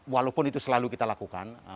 walaupun itu selalu kita lakukan